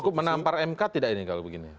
cukup menampar mk tidak ini kalau begini